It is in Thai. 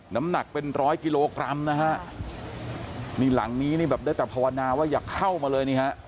น้ำหนักเป็นร้อยกิโลกรัมนะฮะนี่หลังนี้นี่แบบได้แต่ภาวนาว่าอย่าเข้ามาเลยนี่ฮะ